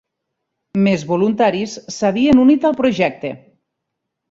Més voluntaris s'havien unit al projecte.